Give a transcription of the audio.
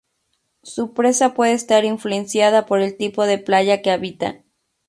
Su presa puede estar influenciada por el tipo de playa que habitan.